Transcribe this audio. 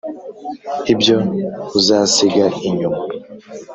Ibyo uzasiga inyuma